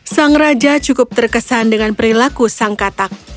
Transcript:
sang raja cukup terkesan dengan perilaku sang katak